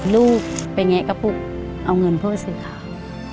ลูกไปแงะกระปุกเอาเงินเพื่อซื้อข้าว